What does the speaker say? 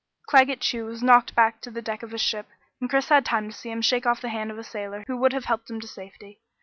Claggett Chew was knocked back to the deck of his ship, and Chris had time to see him shake off the hand of a sailor who would have helped him to safety.